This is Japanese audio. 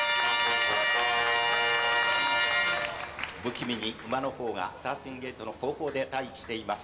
不気味に馬の方がスターティングゲートの後方で待機しています